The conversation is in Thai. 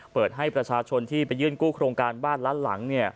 เปิดให้ประชาชนที่ไปยื่นกู้โครงการบ้านล้านหลัง